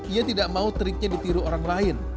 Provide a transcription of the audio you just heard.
ia tidak mau triknya ditiru orang lain